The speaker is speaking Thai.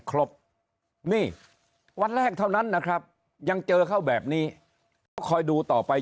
ครบนี่วันแรกเท่านั้นนะครับยังเจอเขาแบบนี้แล้วคอยดูต่อไป